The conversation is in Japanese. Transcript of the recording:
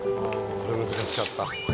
これ難しかった。